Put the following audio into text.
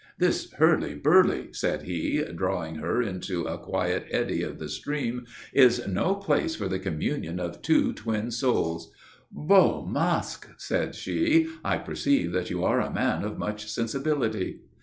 "This hurly burly," said he, drawing her into a quiet eddy of the stream, "is no place for the communion of two twin souls." "Beau masque," said she, "I perceive that you are a man of much sensibility."